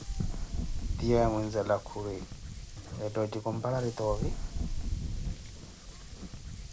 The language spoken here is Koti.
Titiyuawe muinzala khuri, etha otjikomportari tovi?